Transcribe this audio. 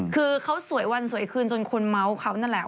คือเขาสวยวันสวยคืนจนคนเมาส์เขานั่นแหละ